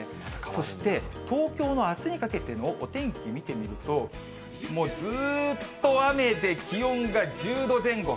そして東京のあすにかけてのお天気見てみると、もうずっと雨で、気温が１０度前後。